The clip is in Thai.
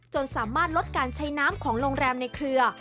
จนสามารถลดการใช้น้ำของโรงแรมในเครือ